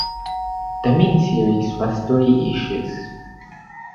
The mini-series was three issues.